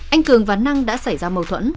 anh cường và năng đã xảy ra mâu thuẫn